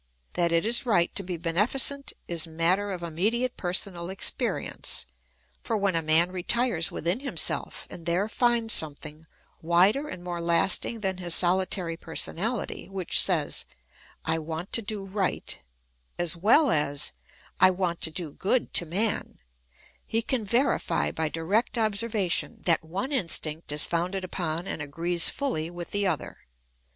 That it is right to be beneficent is matter of immediate personal experience ; for when a man re tires within himself and there finds something, wider and more lasting than his solitary personahty, which says, ' I want to do right,' as well as, ' I want to do good to man,' he can verify by direct observation that one instinct is founded upon and agrees fully with the other.